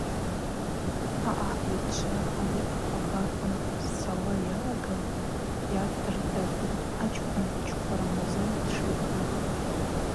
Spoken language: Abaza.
Аъахӏыльчва ауи ахабар нкъвырцауа йалаган йгӏаддырдыртӏ ачкӏвын Чква Рамазан дшипу.